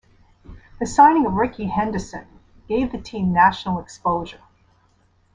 The signing of Rickey Henderson gave the team national exposure.